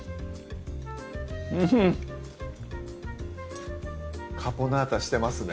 うん「カポナータ」してますね